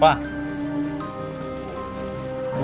pak ada apaan si